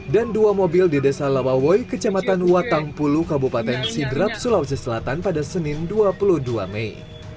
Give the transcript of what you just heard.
dan dua mobil di desa lawawoi kecamatan watangpulu kabupaten sidrap sulawesi selatan pada senin dua puluh dua mei